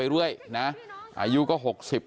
เดี๋ยวให้กลางกินขนม